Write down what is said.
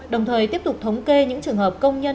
đồng thời tiếp tục thống kê những trường hợp công nhân